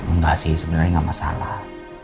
enggak sih sebenernya gak masalah